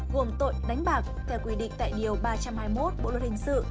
gồm tội đánh bạc theo quy định tại điều ba trăm hai mươi một bộ luật hình sự